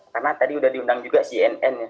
karena tadi sudah diundang juga cnn